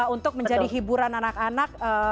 untuk menjadi hiburan anak anak